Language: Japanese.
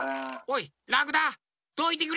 おい！